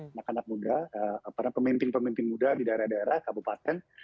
anak anak muda pemimpin pemimpin muda di daerah daerah kabupaten